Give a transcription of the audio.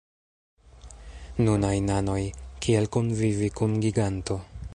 Nunaj nanoj: kiel kunvivi kun giganto?